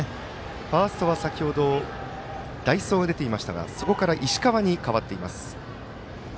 ファーストは先ほど代走が出ていましたがそこから石川に代わっています。